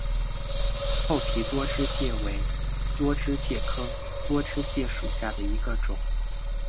厚皮多枝介为多枝介科多枝介属下的一个种。